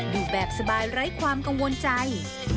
อยู่แบบสบายไร้ความกังวลใจ